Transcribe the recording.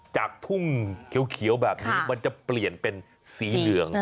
จากทุ่งเขียวแบบนี้มันจะเปลี่ยนเป็นสีเหลือง